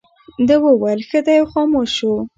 ده وویل ښه دی او خاموش شو.